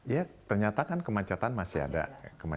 ya ternyata kan kemacetan masih ada